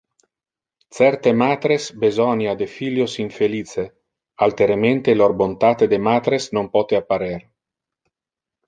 Certe matres besonia de filios infelice, alteremente lor bontate de matres non pote apparer.